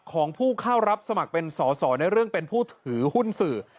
ของผู้เข้ารับสมัครเป็นสอสอในเรื่องเป็นผู้ถือหุ้นสื่อ